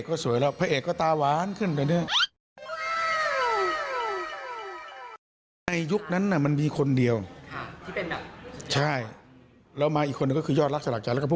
ออกไปฟังสินสัมภาษณ์หน่อยค่ะ